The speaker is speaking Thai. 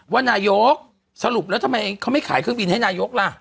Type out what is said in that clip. ว่านายกสรุปแล้วทำไมเขาไม่ขายเครื่องบินให้นายกล่ะ